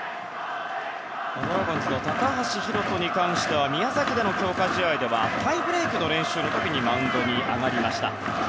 ドラゴンズの高橋宏斗に関しては宮崎での強化試合ではタイブレークの練習の時マウンドに上がりました。